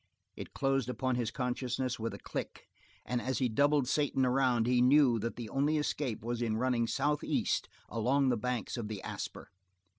It closed upon his consciousness with a click, and as he doubled Satan around he knew that the only escape was in running southeast along the banks of the Asper.